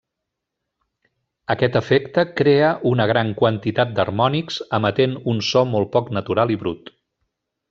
Aquest efecte crea una gran quantitat d'harmònics emetent un so molt poc natural i brut.